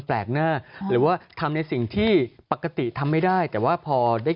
แปลกหน้าหรือว่าทำในสิ่งที่ปกติทำไม่ได้แต่ว่าพอได้